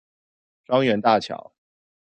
雙園大橋